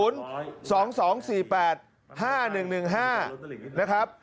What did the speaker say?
๒๒๔๘๕๑๑๕นะครับ